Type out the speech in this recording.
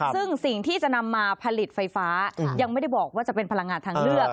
ซึ่งสิ่งที่จะนำมาผลิตไฟฟ้ายังไม่ได้บอกว่าจะเป็นพลังงานทางเลือก